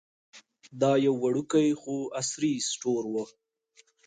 دا یو وړوکی خو عصري سټور و.